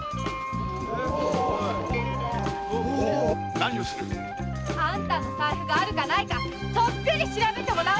何をしている⁉あんたの財布があるかないかとっくり調べてもらおうじゃない。